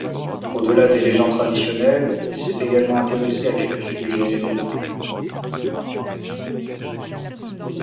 Au delà des légendes traditionnelles, il s'est également intéressé à quelques sujets autres.